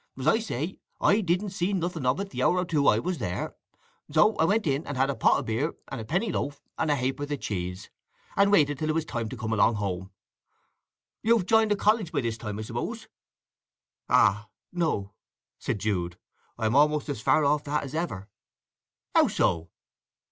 As I say, I didn't see nothing of it the hour or two I was there; so I went in and had a pot o' beer, and a penny loaf, and a ha'porth o' cheese, and waited till it was time to come along home. You've j'ined a college by this time, I suppose?" "Ah, no!" said Jude. "I am almost as far off that as ever." "How so?"